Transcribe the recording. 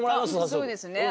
そうですね。